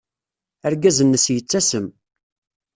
Argaz-nnes yettasem.